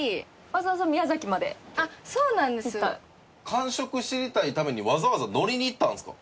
感触知りたいためにわざわざ乗りに行ったんですか？